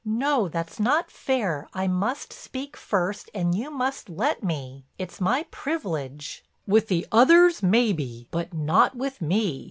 "No, that's not fair; I must speak first and you must let me. It's my privilege." "With the others maybe, but not with me.